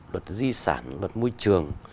luật di sản luật môi trường